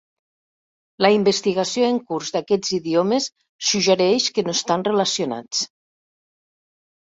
La investigació en curs d'aquests idiomes suggereix que no estan relacionats.